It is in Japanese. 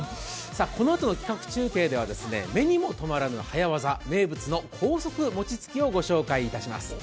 このあとの企画中継では目にも止まらぬ早業、名物の高速餅つきをご紹介します。